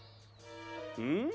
うん？